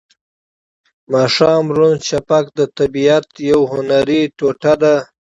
د ماښام روڼ شفق د طبیعت یوه هنري ټوټه ده.